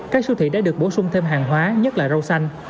các siêu thị đã được bổ sung thêm hàng hóa nhất là rau xanh